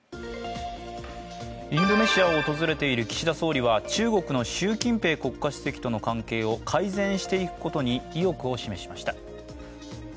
インドネシアを訪れている岸田総理は中国の習近平国家主席との関係を改善していくことに意欲を示しました。